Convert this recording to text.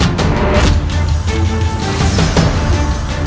aki temen itu